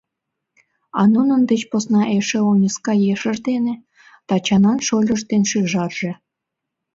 А нунын деч посна эше оньыска ешыж дене, Тачанан шольыж ден шӱжарже.